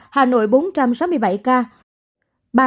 hà nội bốn trăm sáu mươi bảy ca